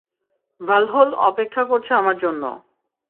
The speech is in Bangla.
ভালহোল অপেক্ষা করছে আমার জন্য!